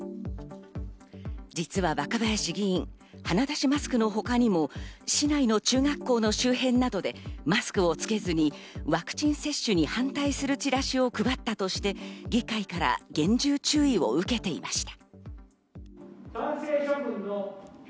実は若林議員、鼻出しマスクのほかにも市内の中学校の周辺などでマスクをつけずにワクチン接種に反対するチラシを配ったとして、議会から厳重注意を受けていました。